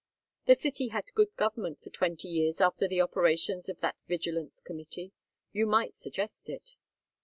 The city had good government for twenty years after the operations of that Vigilance Committee. You might suggest it."